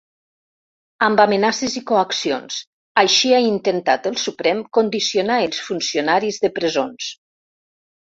Amb amenaces i coaccions, així ha intentat el Suprem condicionar els funcionaris de presons.